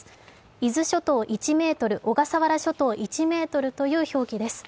伊豆諸島１ｍ、小笠原諸島１ｍという表記です。